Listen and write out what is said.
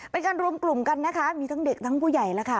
เป็นการรวมกลุ่มกันนะคะมีทั้งเด็กทั้งผู้ใหญ่แล้วค่ะ